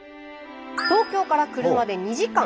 東京から車で２時間。